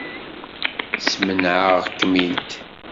Smenεeɣ-kem-id.